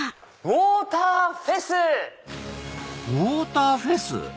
ウォーターフェス？